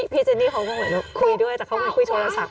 พี่เจนนี่เขาก็คุยด้วยแต่เขาก็ไม่คุยโทรสัง